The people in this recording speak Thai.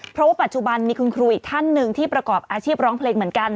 เพราะว่าปัจจุบันมีคุณครูอีกท่านหนึ่งที่ประกอบอาชีพร้องเพลงเหมือนกัน